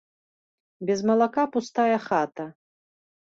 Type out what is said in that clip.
Без малака пустая хата.